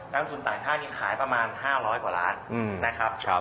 นักลงทุนต่างชาตินี้ขายประมาณ๕๐๐กว่าล้านนะครับ